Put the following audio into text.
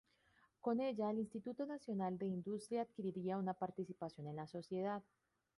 Con ella el Instituto Nacional de Industria adquiría una participación en la sociedad.